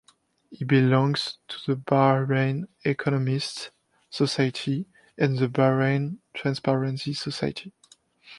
He belongs to the Bahrain Economists Society and the Bahrain Transparency Society.